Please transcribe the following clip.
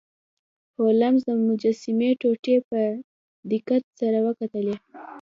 هولمز د مجسمې ټوټې په دقت سره وکتلې.